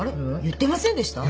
言ってませんでした？